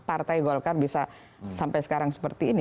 partai golkar bisa sampai sekarang seperti ini